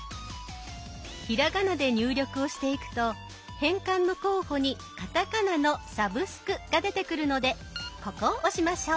ひらがなで入力をしていくと変換の候補にカタカナの「サブスク」が出てくるのでここを押しましょう。